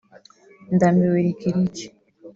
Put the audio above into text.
“Ndambiwe Lick Lick